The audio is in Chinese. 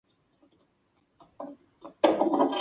乔雅是一名素食者。